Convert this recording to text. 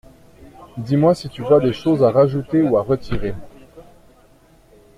Dis-moi si tu vois des choses à rajouter ou à retirer.